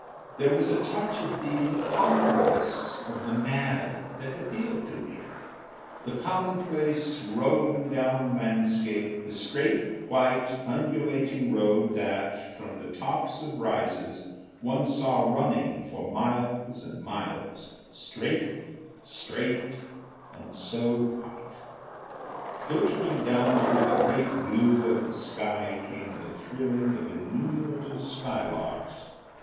There was a touch of the incongruous, of the mad, that appealed to me the commonplace rolling down landscape, the straight, white, undulating road that, from the tops of rises, one saw running for miles and miles, straight, straight, and so white. Filtering down through the great blue of the sky came the thrilling of innumerable skylarks.